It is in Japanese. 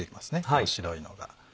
この白いのが。